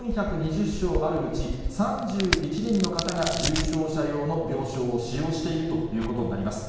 ４２０床あるうち、３１人の方が重症者用の病床を使用しているということになります。